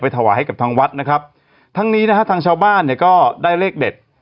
ถวายให้กับทางวัดนะครับทั้งนี้นะฮะทางชาวบ้านเนี่ยก็ได้เลขเด็ด